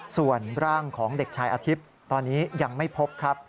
ส่วนร่างของเด็กชายอาทิตย์ตอนนี้ยังไม่พบครับ